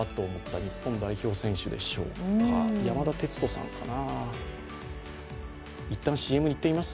日本代表選手でしょうか、山田哲人さんかな。